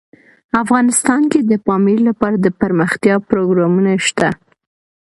افغانستان کې د پامیر لپاره دپرمختیا پروګرامونه شته.